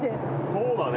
そうだね。